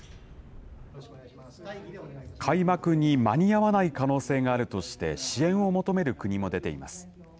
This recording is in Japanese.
開幕に間に合わない可能性があるとして支援を求める国も出ています。